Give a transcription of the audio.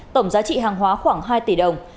tổng giá trị hàng hóa khoảng hai tỷ đồng